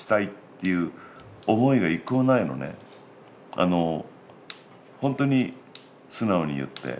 あのほんとに素直に言って。